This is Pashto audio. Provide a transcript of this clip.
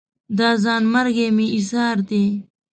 دا ځان مرګي مې ایسار دي